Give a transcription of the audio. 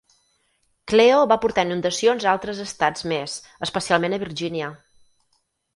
Cleo va portar inundacions a altres estats més, especialment a Virgínia.